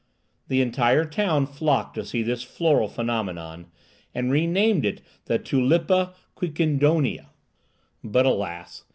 The entire town flocked to see this floral phenomenon, and renamed it the "Tulipa quiquendonia". But alas!